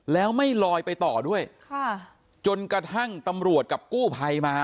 แล้วไม่ลอยไปต่อด้วยค่ะจนกระทั่งตำรวจกับกู้ภัยมา